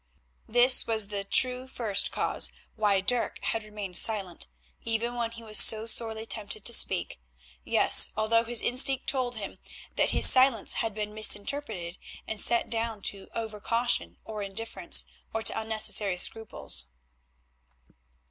This was the true first cause why Dirk had remained silent, even when he was sorely tempted to speak; yes, although his instinct told him that his silence had been misinterpreted and set down to over caution, or indifference, or to unnecessary scruples.